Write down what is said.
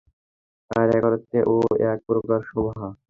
আর এক অর্থে এও এক প্রকার শোভা।